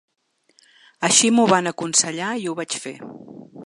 Així m’ho van aconsellar i ho vaig fer.